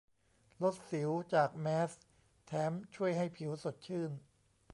ลดสิวจากแมสก์ แถมช่วยให้ผิวสดชื่น